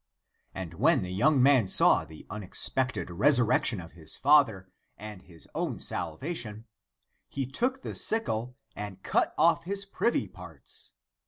And when the young man saw the unex pected resurrection of his father and his own salva tion, he took the sickle and cut off his privy parts.